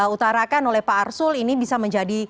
utarakan oleh pak arsul ini bisa menjadi